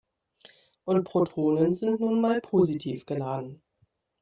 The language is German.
Und Protonen sind nun mal positiv geladen.